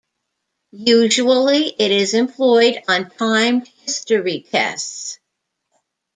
Usually it is employed on timed history tests.